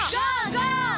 ゴー！